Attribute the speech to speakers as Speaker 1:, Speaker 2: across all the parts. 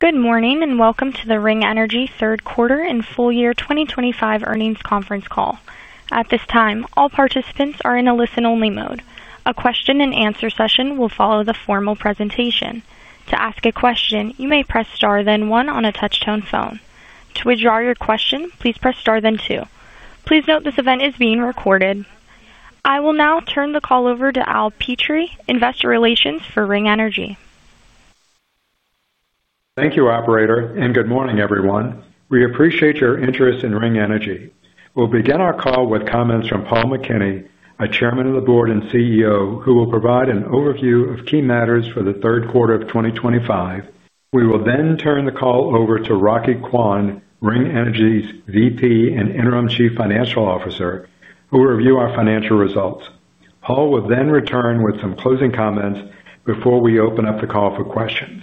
Speaker 1: Good morning and welcome to the Ring Energy third quarter and full year 2025 earnings conference call. At this time, all participants are in a listen-only mode. A question-and-answer session will follow the formal presentation. To ask a question, you may press star then one on a touch-tone phone. To withdraw your question, please press star then two. Please note this event is being recorded. I will now turn the call over to Al Petrie, Investor Relations for Ring Energy.
Speaker 2: Thank you, Operator, and good morning, everyone. We appreciate your interest in Ring Energy. We'll begin our call with comments from Paul McKinney, Chairman of the Board and CEO, who will provide an overview of key matters for the third quarter of 2025. We will then turn the call over to Rocky Kwan, Ring Energy's VP and Interim Chief Financial Officer, who will review our financial results. Paul will then return with some closing comments before we open up the call for questions.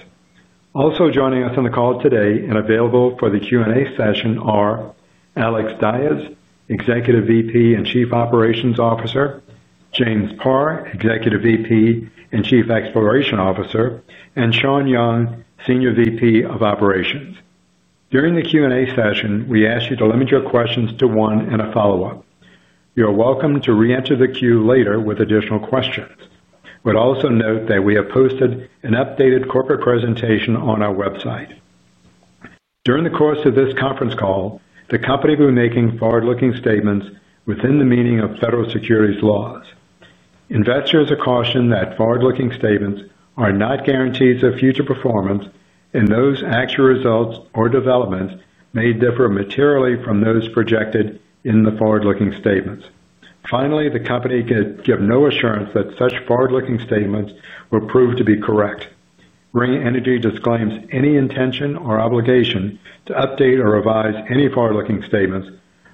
Speaker 2: Also joining us on the call today and available for the Q&A session are Alex Dyes, Executive VP and Chief Operations Officer; James Parr, Executive VP and Chief Exploration Officer; and Shawn Young, Senior VP of Operations. During the Q&A session, we ask you to limit your questions to one and a follow-up. You're welcome to re-enter the queue later with additional questions. We'd also note that we have posted an updated corporate presentation on our website. During the course of this conference call, the company will be making forward-looking statements within the meaning of federal securities laws. Investors are cautioned that forward-looking statements are not guarantees of future performance, and those actual results or developments may differ materially from those projected in the forward-looking statements. Finally, the company can give no assurance that such forward-looking statements will prove to be correct. Ring Energy disclaims any intention or obligation to update or revise any forward-looking statements,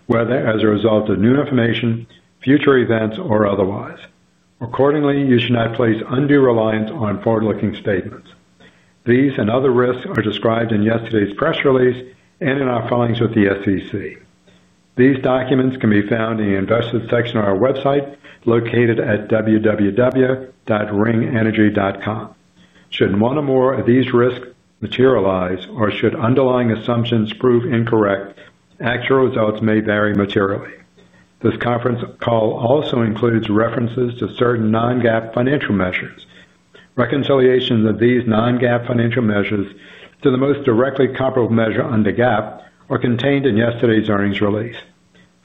Speaker 2: whether as a result of new information, future events, or otherwise. Accordingly, you should not place undue reliance on forward-looking statements. These and other risks are described in yesterday's press release and in our filings with the SEC. These documents can be found in the Investors section of our website located at www.ringenergy.com. Should one or more of these risks materialize or should underlying assumptions prove incorrect, actual results may vary materially. This conference call also includes references to certain non-GAAP financial measures. Reconciliations of these non-GAAP financial measures to the most directly comparable measure under GAAP are contained in yesterday's earnings release.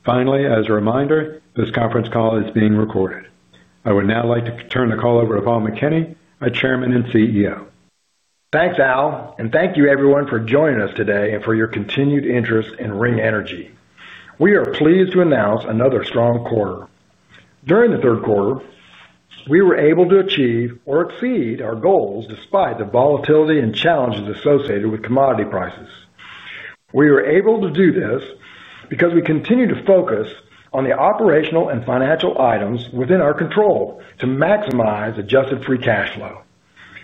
Speaker 2: Finally, as a reminder, this conference call is being recorded. I would now like to turn the call over to Paul McKinney, our Chairman and CEO.
Speaker 3: Thanks, Al, and thank you, everyone, for joining us today and for your continued interest in Ring Energy. We are pleased to announce another strong quarter. During the third quarter, we were able to achieve or exceed our goals despite the volatility and challenges associated with commodity prices. We were able to do this because we continue to focus on the operational and financial items within our control to maximize adjusted free cash flow.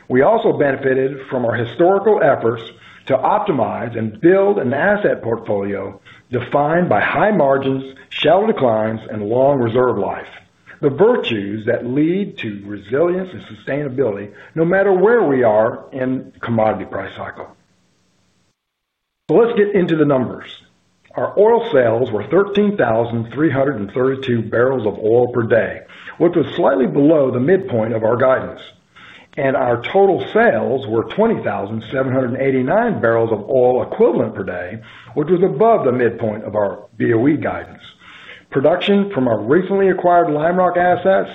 Speaker 3: We also benefited from our historical efforts to optimize and build an asset portfolio defined by high margins, shallow declines, and long reserve life. The virtues that lead to resilience and sustainability no matter where we are in the commodity price cycle. Let's get into the numbers. Our oil sales were 13,332 barrels of oil per day, which was slightly below the midpoint of our guidance. Our total sales were 20,789 barrels of oil equivalent per day, which was above the midpoint of our BOE guidance. Production from our recently acquired Lime Rock assets,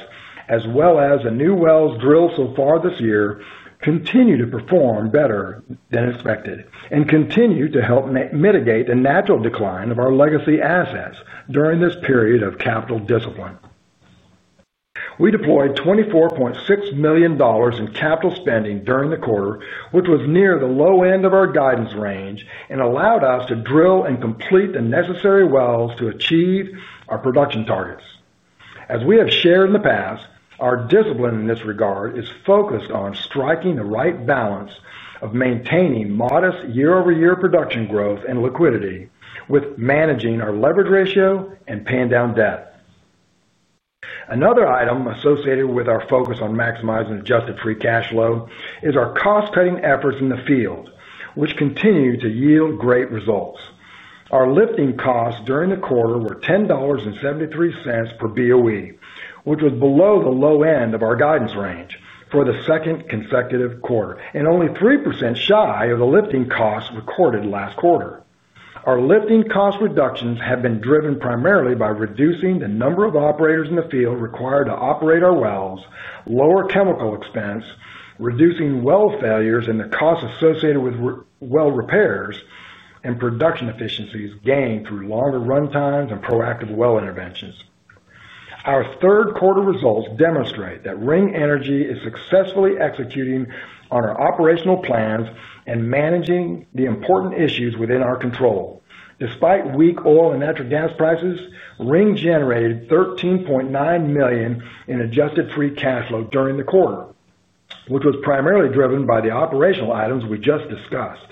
Speaker 3: as well as the new wells drilled so far this year, continue to perform better than expected and continue to help mitigate the natural decline of our legacy assets during this period of capital discipline. We deployed $24.6 million in capital spending during the quarter, which was near the low end of our guidance range and allowed us to drill and complete the necessary wells to achieve our production targets. As we have shared in the past, our discipline in this regard is focused on striking the right balance of maintaining modest year-over-year production growth and liquidity with managing our leverage ratio and paying down debt. Another item associated with our focus on maximizing adjusted free cash flow is our cost-cutting efforts in the field, which continue to yield great results. Our lifting costs during the quarter were $10.73 per BOE, which was below the low end of our guidance range for the second consecutive quarter and only 3% shy of the lifting costs recorded last quarter. Our lifting cost reductions have been driven primarily by reducing the number of operators in the field required to operate our wells, lower chemical expense, reducing well failures and the costs associated with well repairs, and production efficiencies gained through longer runtimes and proactive well interventions. Our third quarter results demonstrate that Ring Energy is successfully executing on our operational plans and managing the important issues within our control. Despite weak oil and natural gas prices, Ring generated $13.9 million in adjusted free cash flow during the quarter, which was primarily driven by the operational items we just discussed.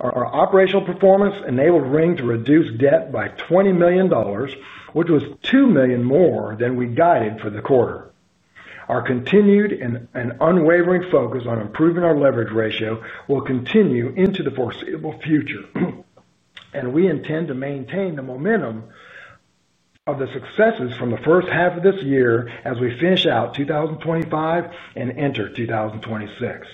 Speaker 3: Our operational performance enabled Ring to reduce debt by $20 million, which was $2 million more than we guided for the quarter. Our continued and unwavering focus on improving our leverage ratio will continue into the foreseeable future, and we intend to maintain the momentum of the successes from the first half of this year as we finish out 2025 and enter 2026.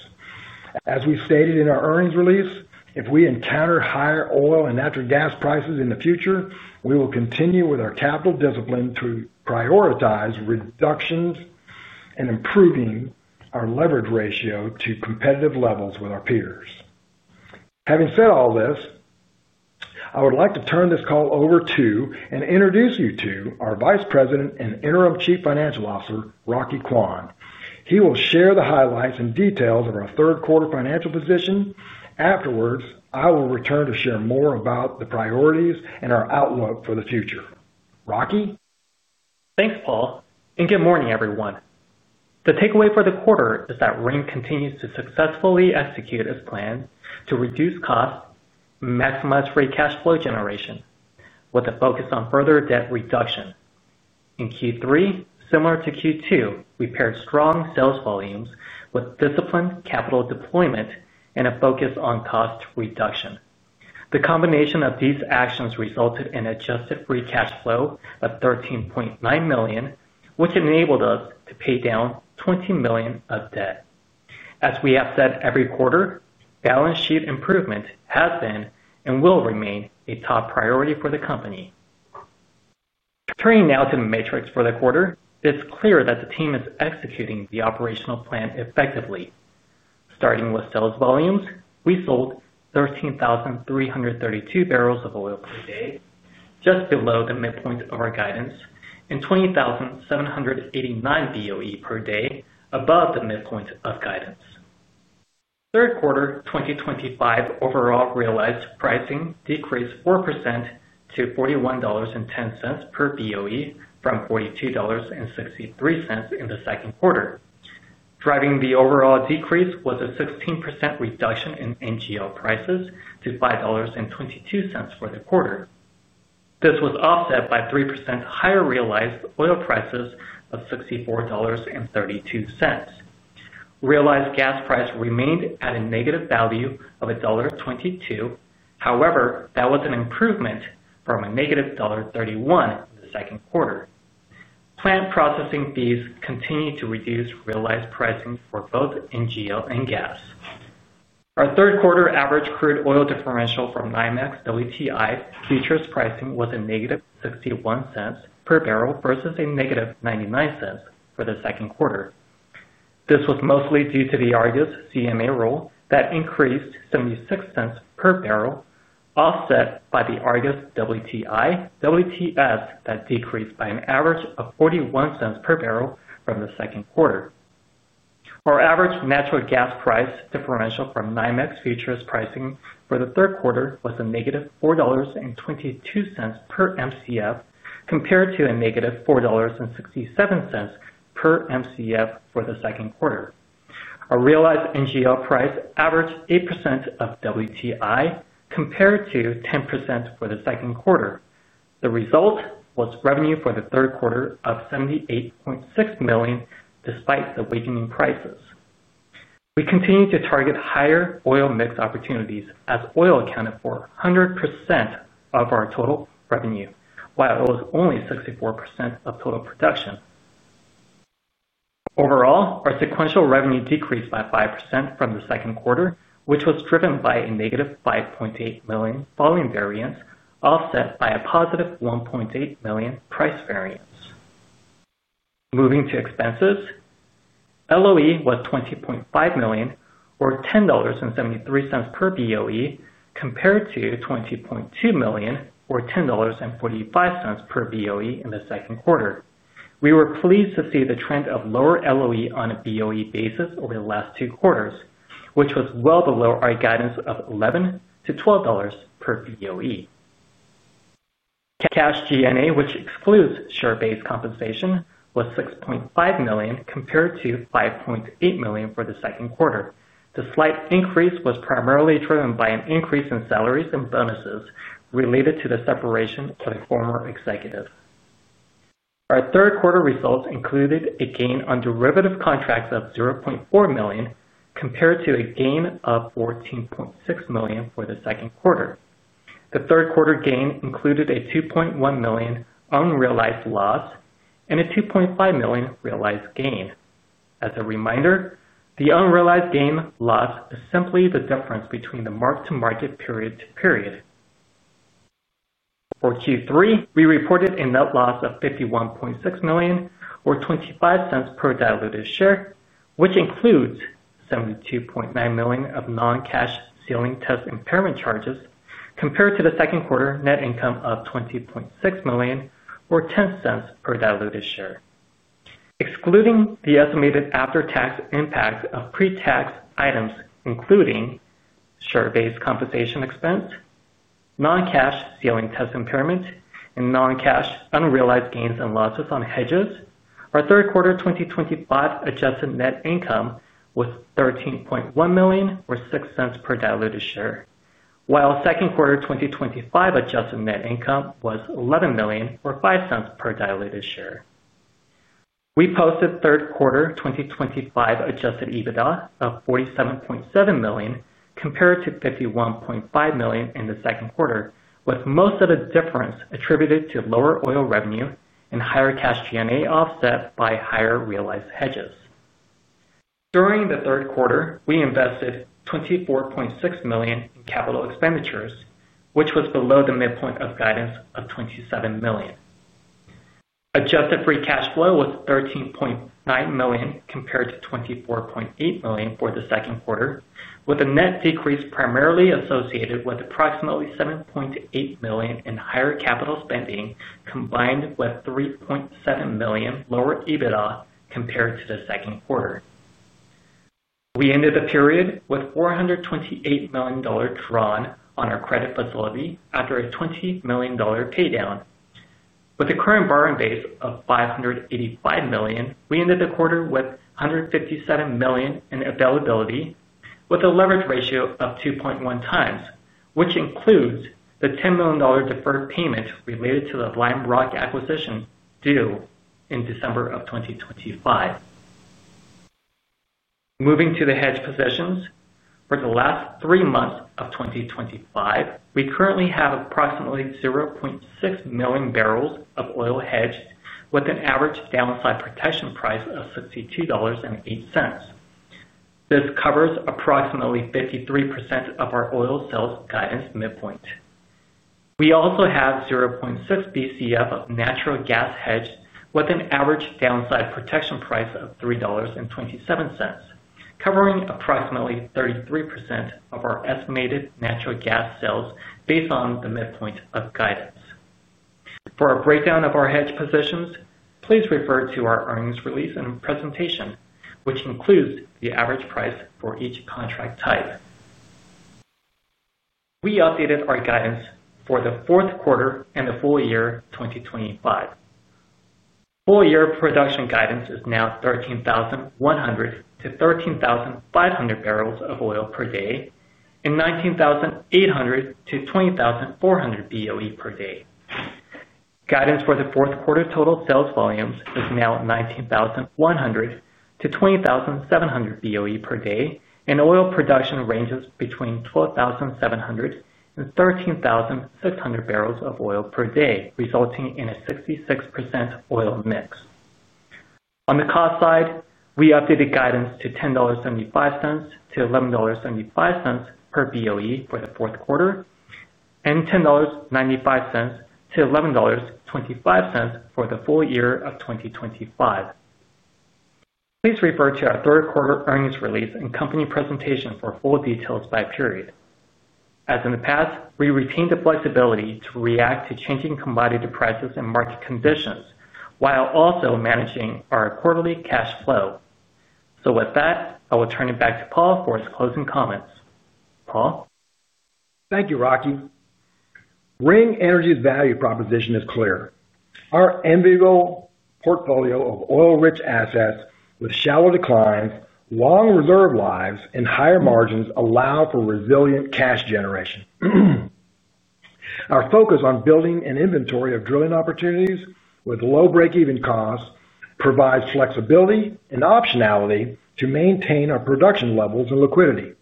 Speaker 3: As we stated in our earnings release, if we encounter higher oil and natural gas prices in the future, we will continue with our capital discipline to prioritize reductions and improving our leverage ratio to competitive levels with our peers. Having said all this, I would like to turn this call over to and introduce you to our Vice President and Interim Chief Financial Officer, Rocky Kwan. He will share the highlights and details of our third quarter financial position. Afterwards, I will return to share more about the priorities and our outlook for the future. Rocky?
Speaker 4: Thanks, Paul, and good morning, everyone. The takeaway for the quarter is that Ring continues to successfully execute its plans to reduce costs, maximize free cash flow generation with a focus on further debt reduction. In Q3, similar to Q2, we paired strong sales volumes with disciplined capital deployment and a focus on cost reduction. The combination of these actions resulted in adjusted free cash flow of $13.9 million, which enabled us to pay down $20 million of debt. As we have said every quarter, balance sheet improvement has been and will remain a top priority for the company. Turning now to the metrics for the quarter, it's clear that the team is executing the operational plan effectively. Starting with sales volumes, we sold 13,332 barrels of oil per day, just below the midpoint of our guidance, and 20,789 BOE per day, above the midpoint of guidance. Third quarter 2025 overall realized pricing decreased 4% to $41.10 per BOE from $42.63 in the second quarter. Driving the overall decrease was a 16% reduction in NGL prices to $5.22 for the quarter. This was offset by 3% higher realized oil prices of $64.32. Realized gas price remained at a negative value of $1.22. However, that was an improvement from a negative $1.31 in the second quarter. Plant processing fees continue to reduce realized pricing for both NGL and gas. Our third quarter average crude oil differential from NYMEX WTI futures pricing was a negative $0.61 per barrel versus a negative $0.99 for the second quarter. This was mostly due to the Argus CMA roll that increased $0.76 per barrel, offset by the Argus WTI WTS that decreased by an average of $0.41 per barrel from the second quarter. Our average natural gas price differential from NYMEX futures pricing for the third quarter was a negative $4.22 per MCF compared to a negative $4.67 per MCF for the second quarter. Our realized NGL price averaged 8% of WTI compared to 10% for the second quarter. The result was revenue for the third quarter of $78.6 million despite the weakening prices. We continue to target higher oil mix opportunities as oil accounted for 100% of our total revenue, while it was only 64% of total production. Overall, our sequential revenue decreased by 5% from the second quarter, which was driven by a negative $5.8 million volume variance offset by a positive $1.8 million price variance. Moving to expenses, LOE was $20.5 million or $10.73 per BOE compared to $20.2 million or $10.45 per BOE in the second quarter. We were pleased to see the trend of lower LOE on a BOE basis over the last two quarters, which was well below our guidance of $11-$12 per BOE. Cash G&A, which excludes share-based compensation, was $6.5 million compared to $5.8 million for the second quarter. The slight increase was primarily driven by an increase in salaries and bonuses related to the separation of a former executive. Our third quarter results included a gain on derivative contracts of $0.4 million compared to a gain of $14.6 million for the second quarter. The third quarter gain included a $2.1 million unrealized loss and a $2.5 million realized gain. As a reminder, the unrealized gain loss is simply the difference between the mark-to-market period to period. For Q3, we reported a net loss of $51.6 million or $0.25 per diluted share, which includes $72.9 million of non-cash ceiling test impairment charges compared to the second quarter net income of $20.6 million or $0.10 per diluted share. Excluding the estimated after-tax impact of pre-tax items, including share-based compensation expense, non-cash ceiling test impairment, and non-cash unrealized gains and losses on hedges, our third quarter 2025 adjusted net income was $13.1 million or $0.06 per diluted share, while second quarter 2025 adjusted net income was $11 million or $0.05 per diluted share. We posted third quarter 2025 adjusted EBITDA of $47.7 million compared to $51.5 million in the second quarter, with most of the difference attributed to lower oil revenue and higher cash G&A offset by higher realized hedges. During the third quarter, we invested $24.6 million in capital expenditures, which was below the midpoint of guidance of $27 million. Adjusted free cash flow was $13.9 million compared to $24.8 million for the second quarter, with a net decrease primarily associated with approximately $7.8 million in higher capital spending combined with $3.7 million lower EBITDA compared to the second quarter. We ended the period with $428 million drawn on our credit facility after a $20 million paydown. With the current borrowing base of $585 million, we ended the quarter with $157 million in availability with a leverage ratio of 2.1 times, which includes the $10 million deferred payment related to the Lime Rock acquisition due in December of 2025. Moving to the hedge positions for the last three months of 2025, we currently have approximately 0.6 million barrels of oil hedged with an average downside protection price of $62.08. This covers approximately 53% of our oil sales guidance midpoint. We also have 0.6 BCF of natural gas hedged with an average downside protection price of $3.27, covering approximately 33% of our estimated natural gas sales based on the midpoint of guidance. For a breakdown of our hedge positions, please refer to our earnings release and presentation, which includes the average price for each contract type. We updated our guidance for the fourth quarter and the full year 2025. Full year production guidance is now 13,100-13,500 barrels of oil per day and 19,800-20,400 BOE per day. Guidance for the fourth quarter total sales volumes is now 19,100-20,700 BOE per day, and oil production ranges between 12,700 and 13,600 barrels of oil per day, resulting in a 66% oil mix. On the cost side, we updated guidance to $10.75-$11.75 per BOE for the fourth quarter and $10.95-$11.25 for the full year of 2025. Please refer to our third quarter earnings release and company presentation for full details by period. As in the past, we retained the flexibility to react to changing commodity prices and market conditions while also managing our quarterly cash flow. With that, I will turn it back to Paul for his closing comments. Paul?
Speaker 3: Thank you, Rocky. Ring Energy's value proposition is clear. Our enviable portfolio of oil-rich assets with shallow declines, long reserve lives, and higher margins allow for resilient cash generation. Our focus on building an inventory of drilling opportunities with low break-even costs provides flexibility and optionality to maintain our production levels and liquidity.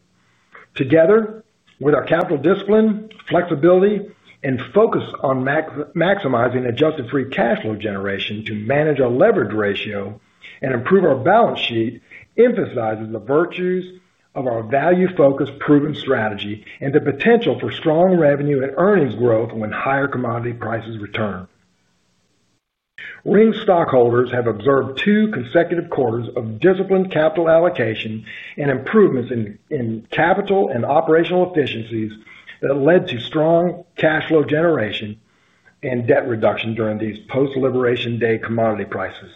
Speaker 3: Together with our capital discipline, flexibility, and focus on maximizing adjusted free cash flow generation to manage our leverage ratio and improve our balance sheet, emphasizes the virtues of our value-focused proven strategy and the potential for strong revenue and earnings growth when higher commodity prices return. Ring stockholders have observed two consecutive quarters of disciplined capital allocation and improvements in capital and operational efficiencies that led to strong cash flow generation and debt reduction during these post-liberation day commodity prices.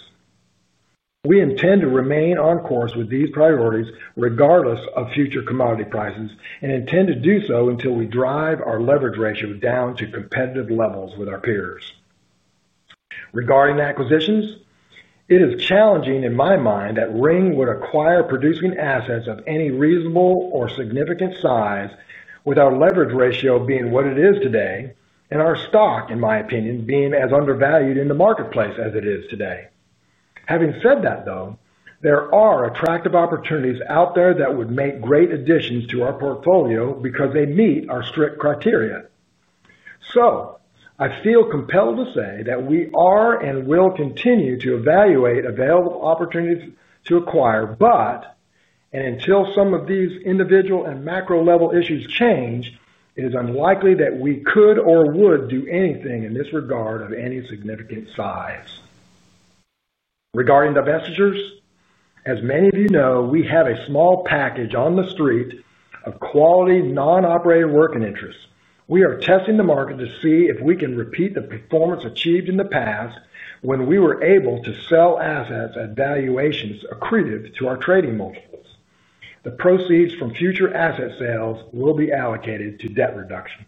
Speaker 3: We intend to remain on course with these priorities regardless of future commodity prices and intend to do so until we drive our leverage ratio down to competitive levels with our peers. Regarding acquisitions, it is challenging in my mind that Ring would acquire producing assets of any reasonable or significant size, with our leverage ratio being what it is today and our stock, in my opinion, being as undervalued in the marketplace as it is today. Having said that, though, there are attractive opportunities out there that would make great additions to our portfolio because they meet our strict criteria. I feel compelled to say that we are and will continue to evaluate available opportunities to acquire, but until some of these individual and macro level issues change, it is unlikely that we could or would do anything in this regard of any significant size. Regarding divestitures, as many of you know, we have a small package on the street of quality non-operated working interests. We are testing the market to see if we can repeat the performance achieved in the past when we were able to sell assets at valuations accretive to our trading multiples. The proceeds from future asset sales will be allocated to debt reduction.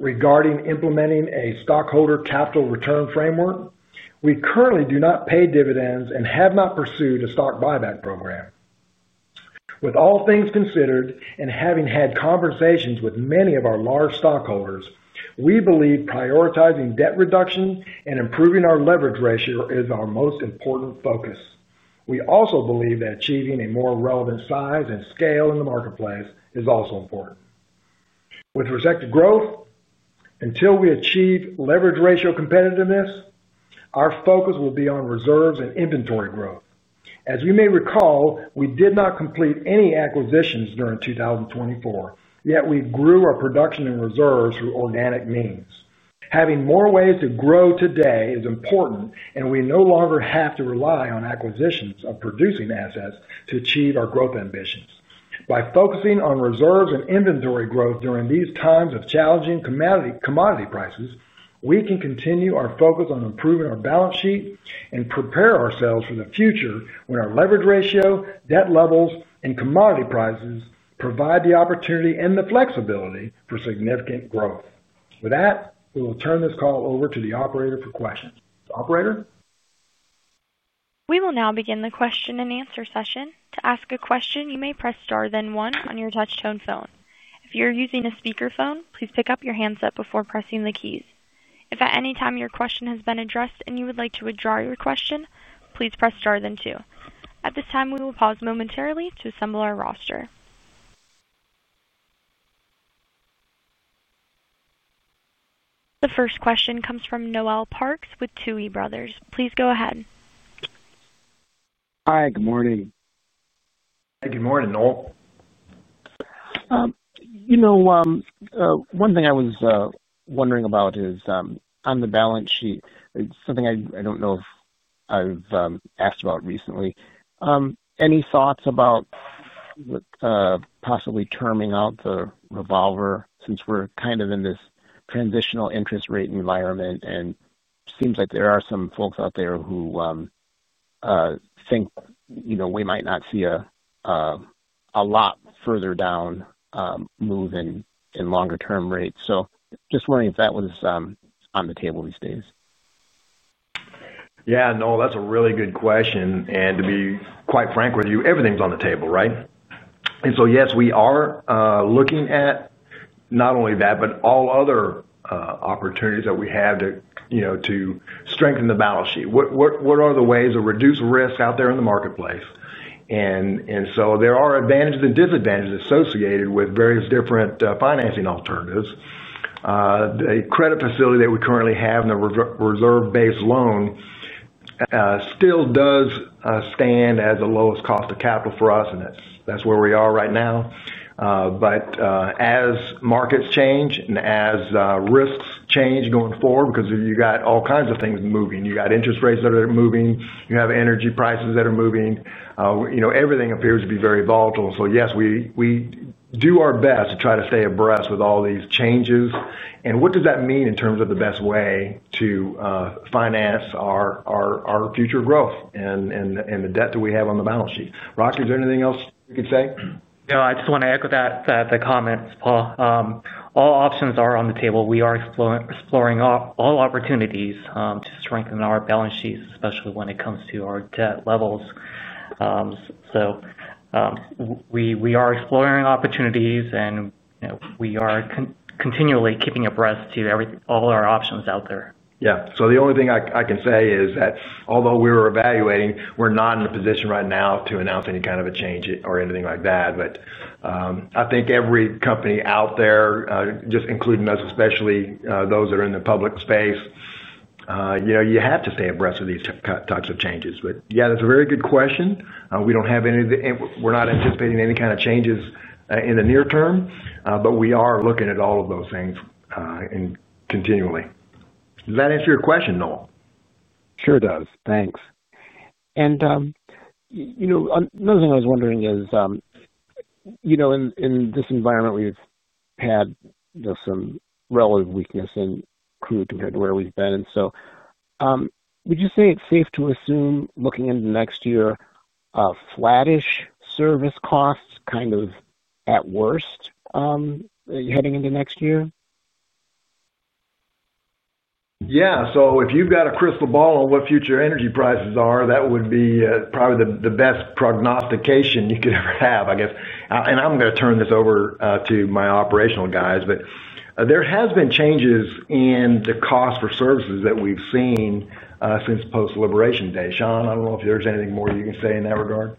Speaker 3: Regarding implementing a stockholder capital return framework, we currently do not pay dividends and have not pursued a stock buyback program. With all things considered and having had conversations with many of our large stockholders, we believe prioritizing debt reduction and improving our leverage ratio is our most important focus. We also believe that achieving a more relevant size and scale in the marketplace is also important. With respect to growth, until we achieve leverage ratio competitiveness, our focus will be on reserves and inventory growth. As you may recall, we did not complete any acquisitions during 2024, yet we grew our production and reserves through organic means. Having more ways to grow today is important, and we no longer have to rely on acquisitions of producing assets to achieve our growth ambitions. By focusing on reserves and inventory growth during these times of challenging commodity prices, we can continue our focus on improving our balance sheet and prepare ourselves for the future when our leverage ratio, debt levels, and commodity prices provide the opportunity and the flexibility for significant growth. With that, we will turn this call over to the operator for questions. Operator?
Speaker 1: We will now begin the question and answer session. To ask a question, you may press star then one on your touchtone phone. If you're using a speakerphone, please pick up your handset before pressing the keys. If at any time your question has been addressed and you would like to withdraw your question, please press star then two. At this time, we will pause momentarily to assemble our roster. The first question comes from Noel Parks with Tuohy Brothers. Please go ahead.
Speaker 5: Hi, good morning.
Speaker 3: Hi, good morning, Noel.
Speaker 5: You know, one thing I was wondering about is on the balance sheet, something I don't know if I've asked about recently. Any thoughts about possibly terming out the revolver since we're kind of in this transitional interest rate environment and seems like there are some folks out there who think we might not see a lot further down move in longer-term rates? Just wondering if that was on the table these days.
Speaker 3: Yeah, Noel, that's a really good question. To be quite frank with you, everything's on the table, right? Yes, we are looking at not only that, but all other opportunities that we have to strengthen the balance sheet. What are the ways to reduce risk out there in the marketplace? There are advantages and disadvantages associated with various different financing alternatives. The credit facility that we currently have in the reserve-based loan still does stand as the lowest cost of capital for us, and that's where we are right now. As markets change and as risks change going forward, because you've got all kinds of things moving, you've got interest rates that are moving, you have energy prices that are moving, everything appears to be very volatile. Yes, we do our best to try to stay abreast with all these changes. What does that mean in terms of the best way to finance our future growth and the debt that we have on the balance sheet? Rocky, is there anything else you could say?
Speaker 4: Yeah, I just want to echo that, the comments, Paul. All options are on the table. We are exploring all opportunities to strengthen our balance sheet, especially when it comes to our debt levels. We are exploring opportunities, and we are continually keeping abreast of all our options out there.
Speaker 3: Yeah. The only thing I can say is that although we were evaluating, we're not in a position right now to announce any kind of a change or anything like that. I think every company out there, just including us, especially those that are in the public space, you have to stay abreast of these types of changes. Yeah, that's a very good question. We don't have any of the—we're not anticipating any kind of changes in the near term, but we are looking at all of those things continually. Does that answer your question, Noel?
Speaker 5: Sure does. Thanks. Another thing I was wondering is, in this environment, we've had some relative weakness in crude compared to where we've been. Would you say it's safe to assume, looking into next year, flattish service costs kind of at worst heading into next year?
Speaker 3: Yeah. If you've got a crystal ball on what future energy prices are, that would be probably the best prognostication you could ever have, I guess. I'm going to turn this over to my operational guys. There have been changes in the cost for services that we've seen since post-liberation day. Shawn, I don't know if there's anything more you can say in that regard.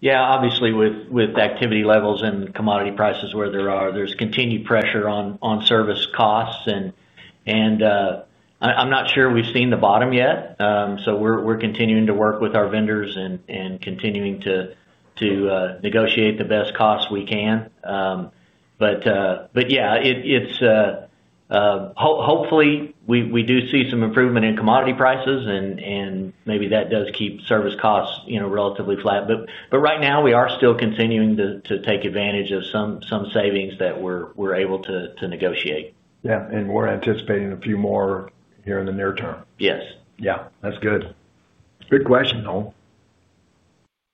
Speaker 6: Yeah, obviously with activity levels and commodity prices where they are, there's continued pressure on service costs. I'm not sure we've seen the bottom yet. We are continuing to work with our vendors and continuing to negotiate the best costs we can. Yeah, hopefully we do see some improvement in commodity prices, and maybe that does keep service costs relatively flat. Right now, we are still continuing to take advantage of some savings that we're able to negotiate.
Speaker 3: Yeah. We are anticipating a few more here in the near term.
Speaker 6: Yes.
Speaker 3: Yeah. That's good. Good question, Noel.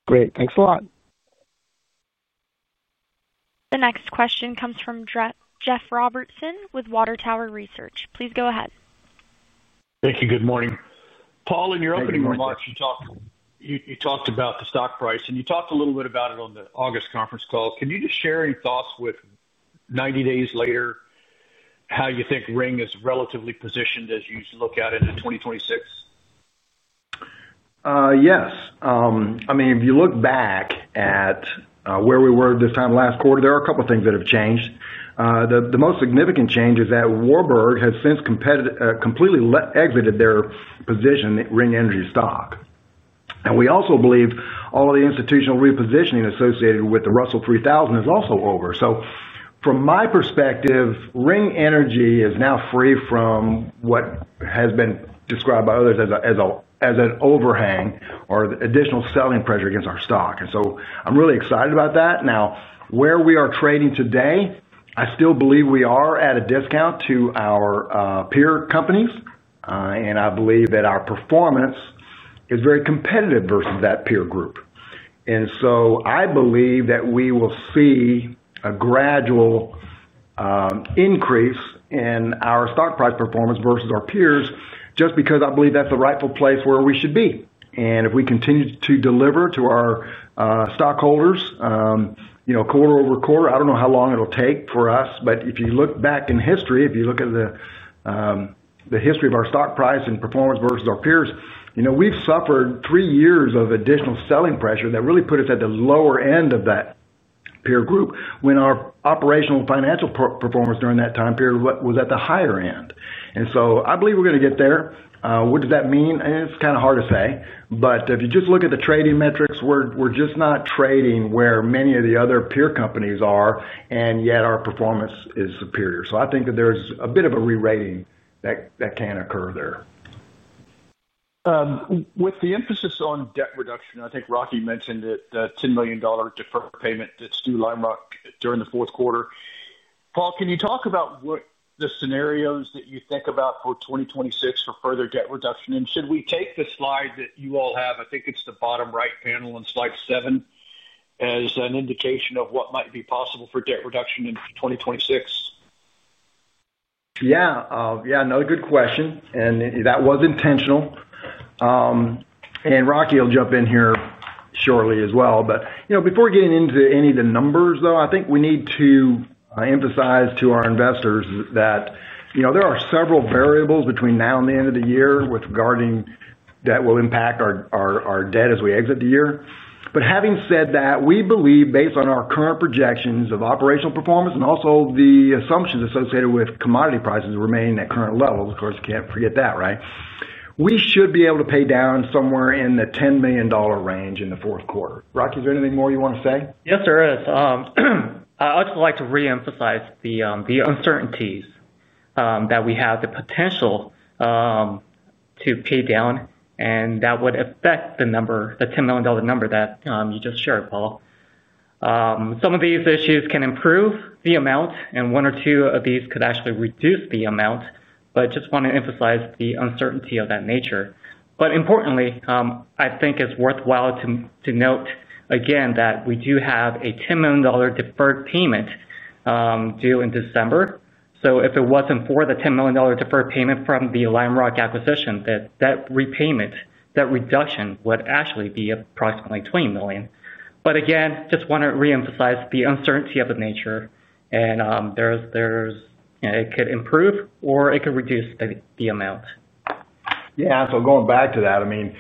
Speaker 5: Great. Thanks a lot.
Speaker 1: The next question comes from Jeff Robertson with Water Tower Research. Please go ahead.
Speaker 7: Thank you. Good morning. Paul, in your opening remarks, you talked about the stock price, and you talked a little bit about it on the August conference call. Can you just share any thoughts with 90 days later how you think Ring is relatively positioned as you look at it in 2026?
Speaker 3: Yes. I mean, if you look back at where we were this time last quarter, there are a couple of things that have changed. The most significant change is that Warburg has since completely exited their position at Ring Energy stock. I also believe all of the institutional repositioning associated with the Russell 3000 is also over. From my perspective, Ring Energy is now free from what has been described by others as an overhang or additional selling pressure against our stock. I am really excited about that. Now, where we are trading today, I still believe we are at a discount to our peer companies, and I believe that our performance is very competitive versus that peer group. I believe that we will see a gradual increase in our stock price performance versus our peers just because I believe that's the rightful place where we should be. If we continue to deliver to our stockholders quarter over quarter, I don't know how long it'll take for us, but if you look back in history, if you look at the history of our stock price and performance versus our peers, we've suffered three years of additional selling pressure that really put us at the lower end of that peer group when our operational financial performance during that time period was at the higher end. I believe we're going to get there. What does that mean? It's kind of hard to say. If you just look at the trading metrics, we're just not trading where many of the other peer companies are, and yet our performance is superior. I think that there's a bit of a re-rating that can occur there.
Speaker 7: With the emphasis on debt reduction, I think Rocky mentioned that $10 million deferred payment that's due to Lime Rock during the fourth quarter. Paul, can you talk about what the scenarios that you think about for 2026 for further debt reduction? Should we take the slide that you all have? I think it's the bottom right panel on slide seven as an indication of what might be possible for debt reduction in 2026.
Speaker 3: Yeah. Yeah. Another good question. That was intentional. Rocky will jump in here shortly as well. Before getting into any of the numbers, though, I think we need to emphasize to our investors that there are several variables between now and the end of the year that will impact our debt as we exit the year. Having said that, we believe, based on our current projections of operational performance and also the assumptions associated with commodity prices remaining at current levels, of course, you can't forget that, right? We should be able to pay down somewhere in the $10 million range in the fourth quarter. Rocky, is there anything more you want to say?
Speaker 4: Yes, there is. I'd like to re-emphasize the uncertainties that we have the potential to pay down, and that would affect the $10 million number that you just shared, Paul. Some of these issues can improve the amount, and one or two of these could actually reduce the amount. I just want to emphasize the uncertainty of that nature. Importantly, I think it's worthwhile to note again that we do have a $10 million deferred payment due in December. If it wasn't for the $10 million deferred payment from the Lime Rock acquisition, that repayment, that reduction would actually be approximately $20 million. I just want to re-emphasize the uncertainty of the nature, and it could improve or it could reduce the amount.
Speaker 3: Yeah. So going back to that, I mean,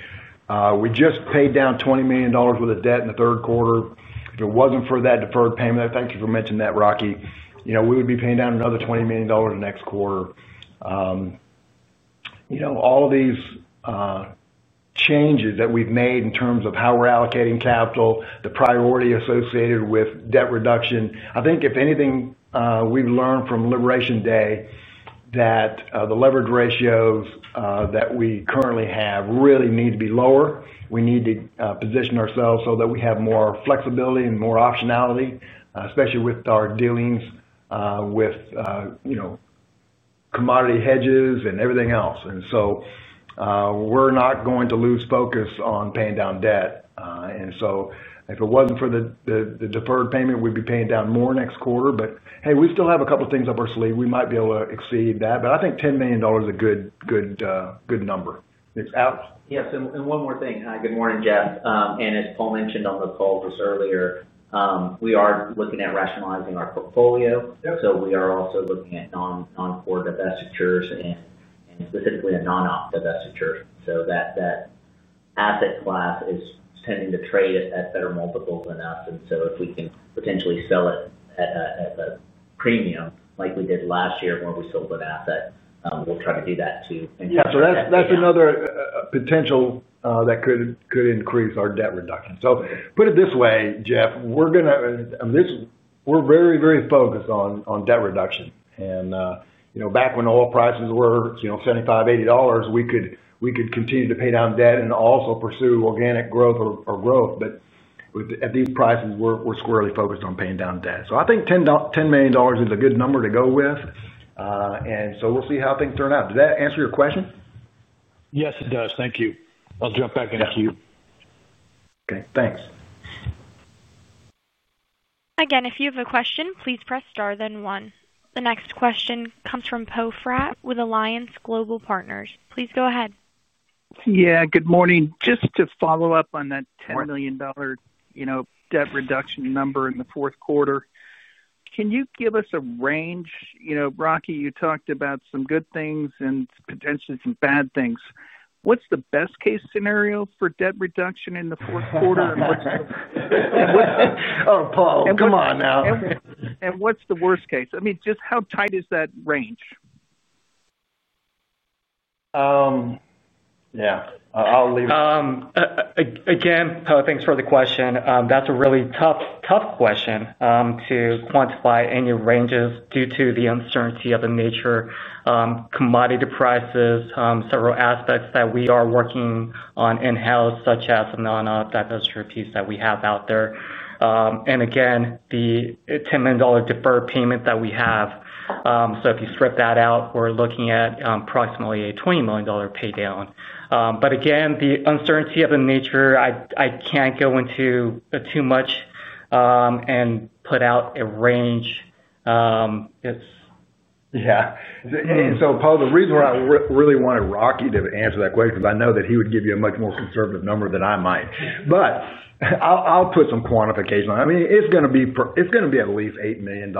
Speaker 3: we just paid down $20 million of debt in the third quarter. If it was not for that deferred payment, I thank you for mentioning that, Rocky, we would be paying down another $20 million next quarter. All of these changes that we have made in terms of how we are allocating capital, the priority associated with debt reduction, I think if anything, we have learned from liberation day that the leverage ratios that we currently have really need to be lower. We need to position ourselves so that we have more flexibility and more optionality, especially with our dealings with commodity hedges and everything else. We are not going to lose focus on paying down debt. If it was not for the deferred payment, we would be paying down more next quarter. Hey, we still have a couple of things up our sleeve. We might be able to exceed that. I think $10 million is a good number. Alex?
Speaker 8: Yes. One more thing. Hi, good morning, Jeff. As Paul mentioned on the call just earlier, we are looking at rationalizing our portfolio. We are also looking at non-core divestitures and specifically a non-op divestiture. That asset class is tending to trade at better multiples than us. If we can potentially sell it at a premium like we did last year when we sold an asset, we will try to do that too.
Speaker 3: Yeah. That is another potential that could increase our debt reduction. Put it this way, Jeff, we are very, very focused on debt reduction. Back when oil prices were $75-$80, we could continue to pay down debt and also pursue organic growth or growth. At these prices, we are squarely focused on paying down debt. I think $10 million is a good number to go with. We will see how things turn out. Does that answer your question?
Speaker 7: Yes, it does. Thank you. I'll jump back in a few.
Speaker 3: Okay. Thanks.
Speaker 1: Again, if you have a question, please press star then one. The next question comes from Poe Fratt with Alliance Global Partners. Please go ahead.
Speaker 9: Yeah. Good morning. Just to follow up on that $10 million debt reduction number in the fourth quarter, can you give us a range? Rocky, you talked about some good things and potentially some bad things. What's the best-case scenario for debt reduction in the fourth quarter?
Speaker 3: Oh, Paul, come on now.
Speaker 9: What's the worst case? I mean, just how tight is that range?
Speaker 3: Yeah. I'll leave it.
Speaker 4: Again, thanks for the question. That's a really tough question to quantify any ranges due to the uncertainty of the nature, commodity prices, several aspects that we are working on in-house, such as the non-op divestiture piece that we have out there. Again, the $10 million deferred payment that we have. If you strip that out, we're looking at approximately a $20 million paydown. Again, the uncertainty of the nature, I can't go into too much and put out a range.
Speaker 3: Yeah. Paul, the reason why I really wanted Rocky to answer that question is I know that he would give you a much more conservative number than I might. I'll put some quantification on it. I mean, it's going to be at least $8 million.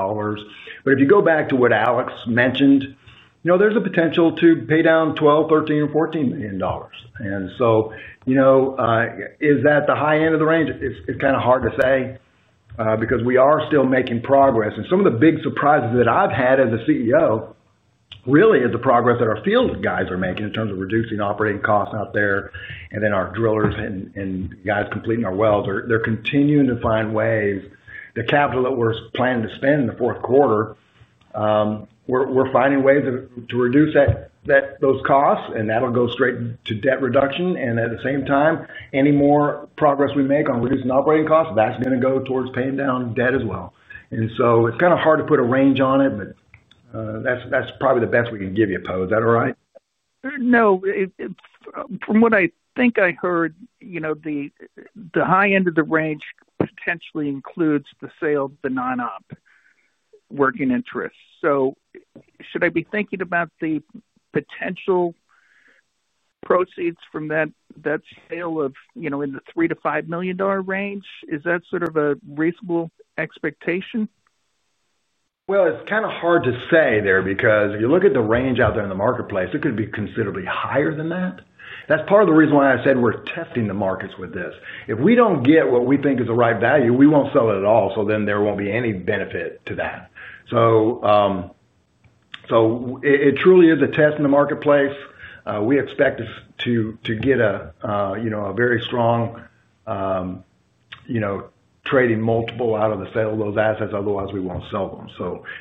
Speaker 3: If you go back to what Alex mentioned, there's a potential to pay down $12 million, $13 million, or $14 million. Is that the high end of the range? It's kind of hard to say because we are still making progress. Some of the big surprises that I've had as a CEO really is the progress that our field guys are making in terms of reducing operating costs out there. Our drillers and guys completing our wells, they're continuing to find ways. The capital that we're planning to spend in the fourth quarter, we're finding ways to reduce those costs, and that'll go straight to debt reduction. At the same time, any more progress we make on reducing operating costs, that's going to go towards paying down debt as well. It's kind of hard to put a range on it, but that's probably the best we can give you, Paul. Is that all right?
Speaker 9: No. From what I think I heard, the high end of the range potentially includes the sale of the non-op working interest. Should I be thinking about the potential proceeds from that sale in the $3 million-$5 million range? Is that sort of a reasonable expectation?
Speaker 3: It is kind of hard to say there because if you look at the range out there in the marketplace, it could be considerably higher than that. That is part of the reason why I said we are testing the markets with this. If we do not get what we think is the right value, we will not sell it at all. So then there will not be any benefit to that. It truly is a test in the marketplace. We expect to get a very strong trading multiple out of the sale of those assets. Otherwise, we will not sell them.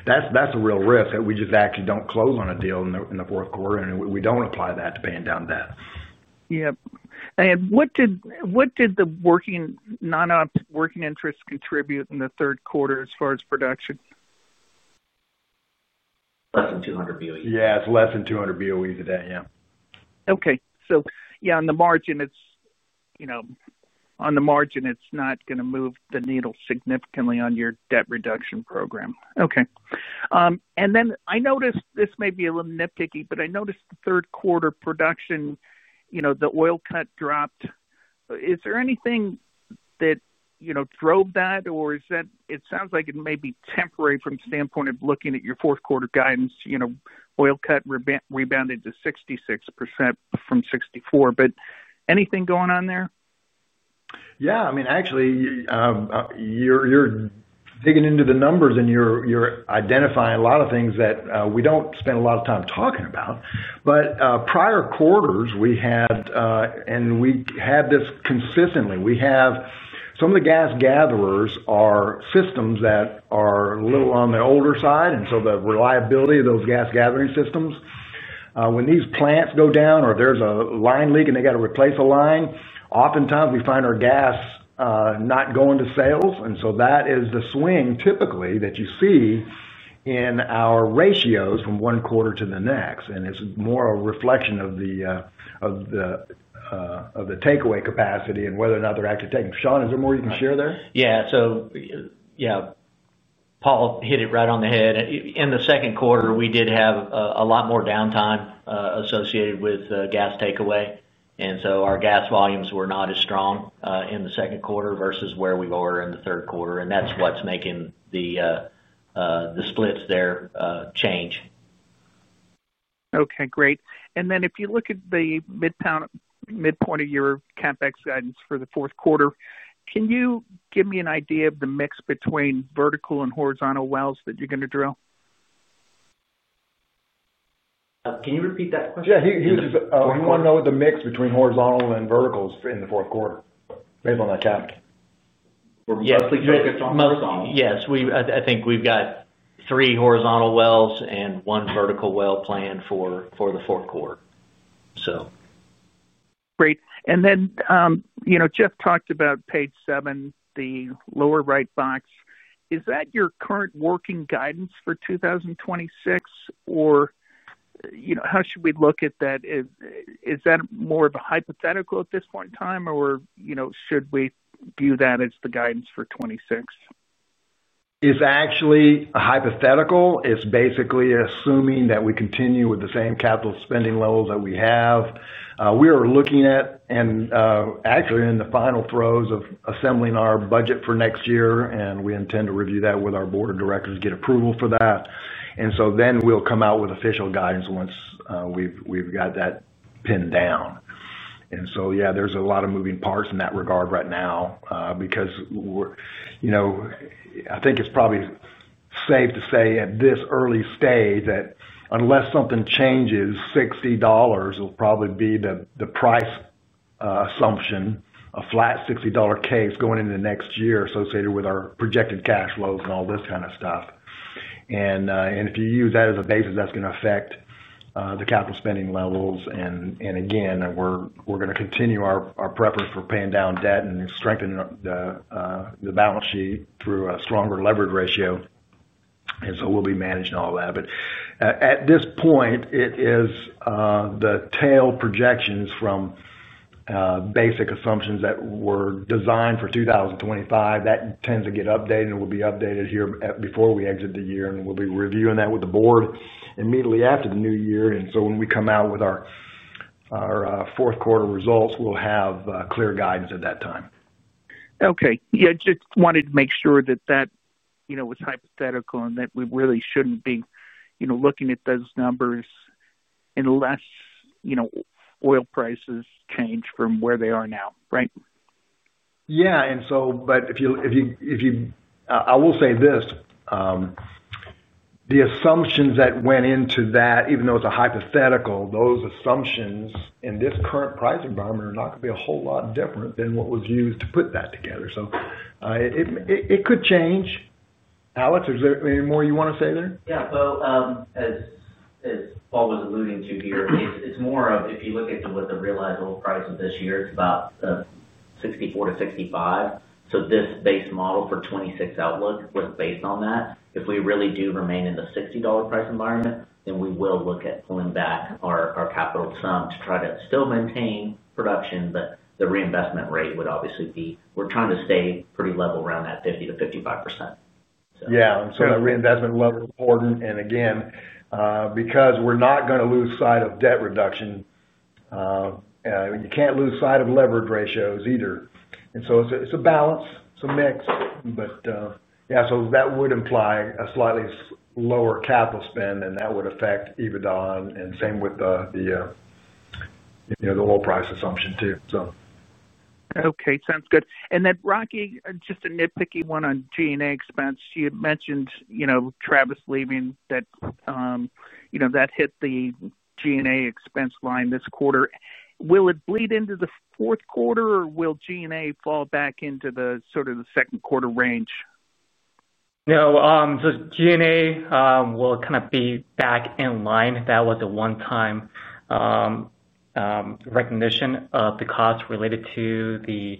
Speaker 3: That is a real risk that we just actually do not close on a deal in the fourth quarter, and we do not apply that to paying down debt.
Speaker 9: Yep. What did the non-op working interest contribute in the third quarter as far as production?
Speaker 4: Less than 200 BOEs.
Speaker 3: Yeah. It's less than 200 BOE a day. Yeah.
Speaker 9: Okay. Yeah, on the margin, it's not going to move the needle significantly on your debt reduction program. Okay. I noticed this may be a little nitpicky, but I noticed the third quarter production, the oil cut dropped. Is there anything that drove that, or it sounds like it may be temporary from the standpoint of looking at your fourth quarter guidance? Oil cut rebounded to 66% from 64%. Anything going on there?
Speaker 3: Yeah. I mean, actually, you're digging into the numbers, and you're identifying a lot of things that we do not spend a lot of time talking about. Prior quarters, we had, and we have this consistently. Some of the gas gatherers are systems that are a little on the older side. The reliability of those gas gathering systems, when these plants go down or there is a line leak and they have to replace a line, oftentimes we find our gas not going to sales. That is the swing typically that you see in our ratios from one quarter to the next. It is more a reflection of the takeaway capacity and whether or not they are actually taking. Shawn, is there more you can share there?
Speaker 6: Yeah. Yeah, Paul hit it right on the head. In the second quarter, we did have a lot more downtime associated with gas takeaway. Our gas volumes were not as strong in the second quarter versus where we were in the third quarter. That is what is making the splits there change.
Speaker 9: Okay. Great. If you look at the midpoint of your CapEx guidance for the fourth quarter, can you give me an idea of the mix between vertical and horizontal wells that you're going to drill?
Speaker 6: Can you repeat that question?
Speaker 3: Yeah. He was just wanting to know the mix between horizontal and verticals in the fourth quarter based on that calendar.
Speaker 6: Yes. Yes. I think we've got three horizontal wells and one vertical well planned for the fourth quarter, so.
Speaker 9: Great. Jeff talked about page seven, the lower right box. Is that your current working guidance for 2026, or how should we look at that? Is that more of a hypothetical at this point in time, or should we view that as the guidance for 2026?
Speaker 3: It's actually a hypothetical. It's basically assuming that we continue with the same capital spending levels that we have. We are looking at, and actually in the final throes of assembling our budget for next year, and we intend to review that with our board of directors to get approval for that. We will come out with official guidance once we've got that pinned down. There are a lot of moving parts in that regard right now because I think it's probably safe to say at this early stage that unless something changes, $60 will probably be the price assumption, a flat $60 case going into the next year associated with our projected cash flows and all this kind of stuff. If you use that as a basis, that's going to affect the capital spending levels. We are going to continue our preference for paying down debt and strengthen the balance sheet through a stronger leverage ratio. We will be managing all that. At this point, it is the tail projections from basic assumptions that were designed for 2025. That tends to get updated and will be updated here before we exit the year. We will be reviewing that with the board immediately after the new year. When we come out with our fourth quarter results, we will have clear guidance at that time.
Speaker 9: Okay. Yeah. Just wanted to make sure that that was hypothetical and that we really shouldn't be looking at those numbers unless oil prices change from where they are now, right?
Speaker 3: Yeah. If you—I will say this. The assumptions that went into that, even though it is a hypothetical, those assumptions in this current price environment are not going to be a whole lot different than what was used to put that together. It could change. Alex, is there any more you want to say there?
Speaker 8: Yeah. As Paul was alluding to here, it is more of if you look at what the realized oil price of this year, it is about $64 to $65. This base model for 2026 outlook was based on that. If we really do remain in the $60 price environment, then we will look at pulling back our capital some to try to still maintain production. The reinvestment rate would obviously be—we are trying to stay pretty level around that 50-55%, so.
Speaker 3: Yeah. That reinvestment level is important. Again, because we're not going to lose sight of debt reduction, you can't lose sight of leverage ratios either. It's a balance, it's a mix. Yeah, that would imply a slightly lower capital spend, and that would affect EBITDA. Same with the oil price assumption too.
Speaker 9: Okay. Sounds good. Rocky, just a nitpicky one on G&A expense. You had mentioned Travis leaving, that hit the G&A expense line this quarter. Will it bleed into the fourth quarter, or will G&A fall back into the sort of the second quarter range?
Speaker 4: No. So G&A will kind of be back in line. That was a one-time recognition of the costs related to the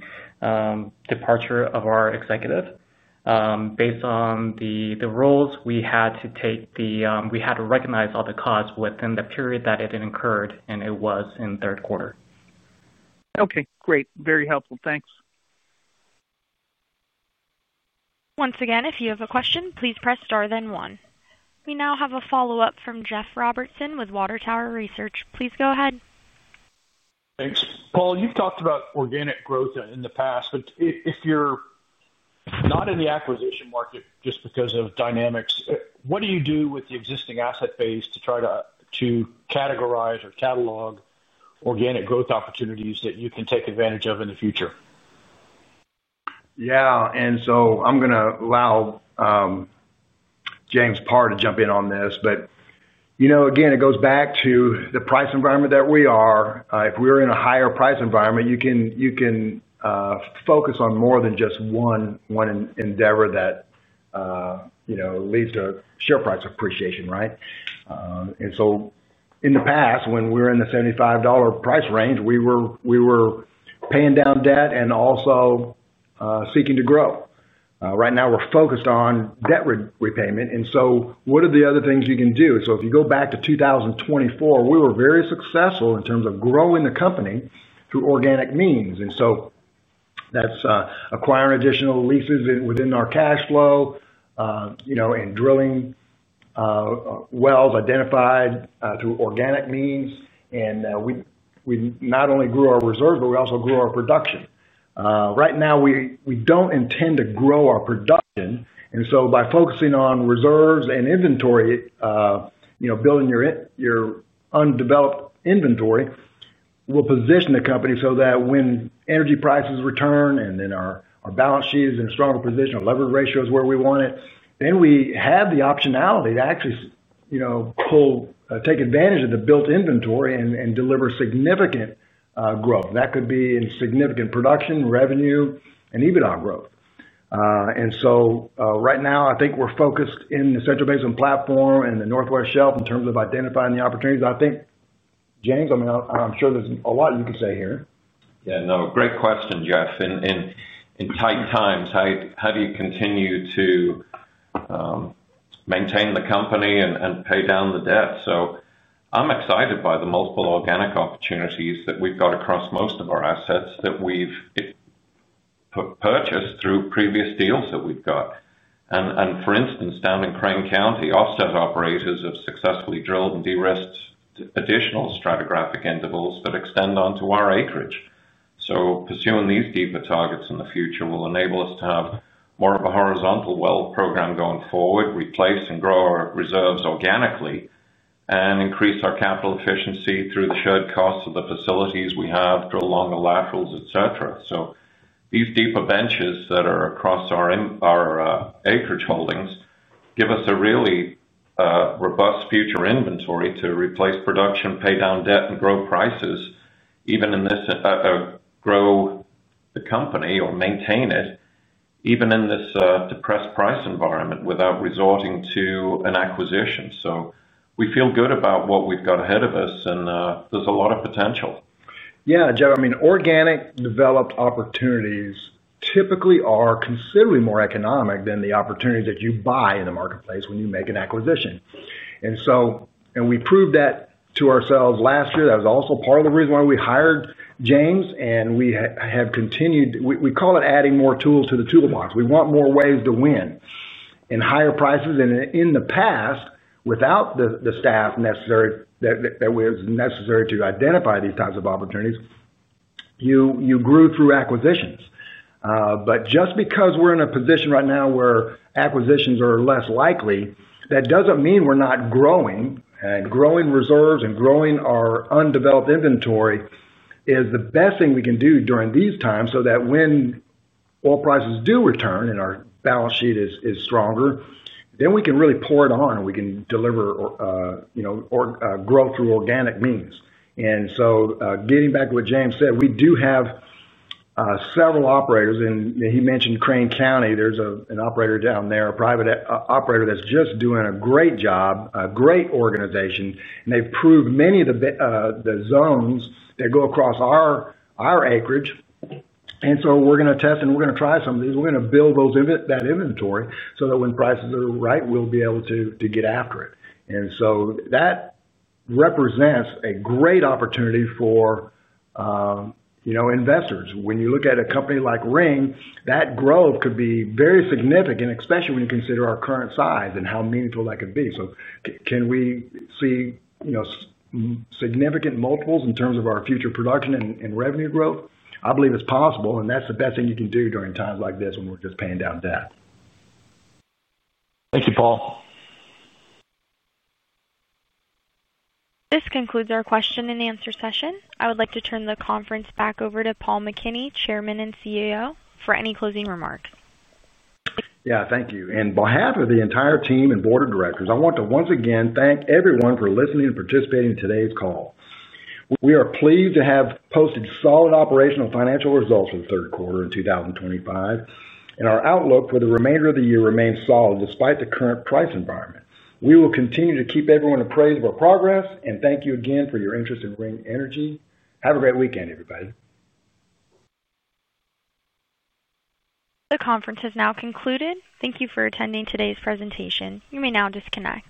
Speaker 4: departure of our executive. Based on the roles, we had to take the—we had to recognize all the costs within the period that it incurred, and it was in third quarter.
Speaker 9: Okay. Great. Very helpful. Thanks.
Speaker 1: Once again, if you have a question, please press star then one. We now have a follow-up from Jeff Robertson with Water Tower Research. Please go ahead.
Speaker 7: Thanks. Paul, you've talked about organic growth in the past, but if you're not in the acquisition market just because of dynamics, what do you do with the existing asset base to try to categorize or catalog organic growth opportunities that you can take advantage of in the future?
Speaker 3: Yeah. I'm going to allow James Parr to jump in on this. Again, it goes back to the price environment that we are in. If we were in a higher price environment, you can focus on more than just one endeavor that leads to share price appreciation, right? In the past, when we were in the $75 price range, we were paying down debt and also seeking to grow. Right now, we're focused on debt repayment. What are the other things you can do? If you go back to 2024, we were very successful in terms of growing the company through organic means. That's acquiring additional leases within our cash flow and drilling wells identified through organic means. We not only grew our reserves, but we also grew our production. Right now, we don't intend to grow our production. By focusing on reserves and inventory, building your undeveloped inventory, we'll position the company so that when energy prices return and our balance sheet is in a stronger position, our leverage ratio is where we want it, we have the optionality to actually take advantage of the built inventory and deliver significant growth. That could be in significant production, revenue, and EBITDA growth. Right now, I think we're focused in the Central Basin Platform and the Northwest Shelf in terms of identifying the opportunities. I think, James, I mean, I'm sure there's a lot you can say here.
Speaker 10: Yeah. No, great question, Jeff. In tight times, how do you continue to maintain the company and pay down the debt? I'm excited by the multiple organic opportunities that we've got across most of our assets that we've purchased through previous deals that we've got. For instance, down in Crane County, offset operators have successfully drilled and de-risked additional stratigraphic intervals that extend onto our acreage. Pursuing these deeper targets in the future will enable us to have more of a horizontal well program going forward, replace and grow our reserves organically, and increase our capital efficiency through the shared costs of the facilities we have along the laterals, etc. These deeper benches that are across our acreage holdings give us a really robust future inventory to replace production, pay down debt, and grow prices, even in this grow the company or maintain it, even in this depressed price environment without resorting to an acquisition. We feel good about what we've got ahead of us, and there's a lot of potential.
Speaker 3: Yeah. Jeff, I mean, organic developed opportunities typically are considerably more economic than the opportunities that you buy in the marketplace when you make an acquisition. We proved that to ourselves last year. That was also part of the reason why we hired James, and we have continued—we call it adding more tools to the toolbox. We want more ways to win and higher prices. In the past, without the staff necessary that was necessary to identify these types of opportunities, you grew through acquisitions. Just because we're in a position right now where acquisitions are less likely, that doesn't mean we're not growing. Growing reserves and growing our undeveloped inventory is the best thing we can do during these times so that when oil prices do return and our balance sheet is stronger, we can really pour it on and we can deliver or grow through organic means. Getting back to what James said, we do have several operators. He mentioned Crane County. There is an operator down there, a private operator that is just doing a great job, a great organization. They have proved many of the zones that go across our acreage. We are going to test and we are going to try some of these. We are going to build that inventory so that when prices are right, we will be able to get after it. That represents a great opportunity for investors. When you look at a company like Ring, that growth could be very significant, especially when you consider our current size and how meaningful that could be. Can we see significant multiples in terms of our future production and revenue growth? I believe it's possible, and that's the best thing you can do during times like this when we're just paying down debt.
Speaker 7: Thank you, Paul.
Speaker 1: This concludes our question and answer session. I would like to turn the conference back over to Paul McKinney, Chairman and CEO, for any closing remarks.
Speaker 3: Yeah. Thank you. On behalf of the entire team and Board of Directors, I want to once again thank everyone for listening and participating in today's call. We are pleased to have posted solid operational and financial results for the third quarter in 2025, and our outlook for the remainder of the year remains solid despite the current price environment. We will continue to keep everyone apprised of our progress. Thank you again for your interest in Ring Energy. Have a great weekend, everybody.
Speaker 1: The conference has now concluded. Thank you for attending today's presentation. You may now disconnect.